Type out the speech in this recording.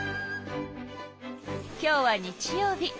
今日は日曜日。